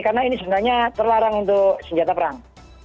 karena ini sebenarnya terlarang untuk senjata perang